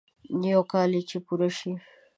يو کال يې چې پوره شي.